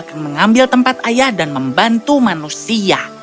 akan mengambil tempat ayah dan membantu manusia